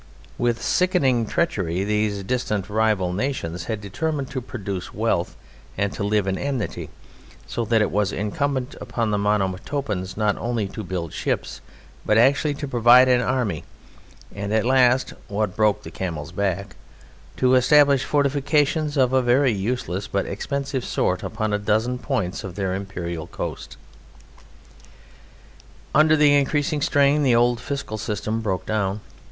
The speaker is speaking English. With sickening treachery these distant rival nations had determined to produce wealth and to live in amity, so that it was incumbent upon the Monomotopans not only to build ships, but actually to provide an army, and at last (what broke the camel's back) to establish fortifications of a very useless but expensive sort upon a dozen points of their Imperial coast. Under the increasing strain the old fiscal system broke down.